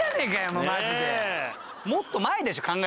もうマジで。